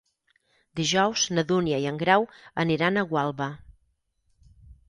Dijous na Dúnia i en Grau aniran a Gualba.